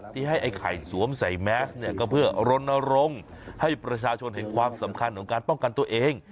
ที่ให้ไอ้ไข่สวมใส่แมสเนี่ยก็เพื่อรณรงค์ให้ประชาชนเห็นความสำคัญของการป้องกันตัวเอง